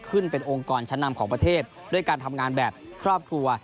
ขึ้นเป็นองค์กรชั้นนำของประเทศด้วยการทำงานแบบครอบครัว